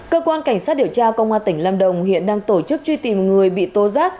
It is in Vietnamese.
cơ quan cảnh sát điều tra công an tỉnh lâm đồng hiện đang tổ chức truy tìm người bị tố giác